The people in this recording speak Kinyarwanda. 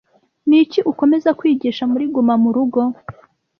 Niki ukomeza kwigisha muri gumamurugo?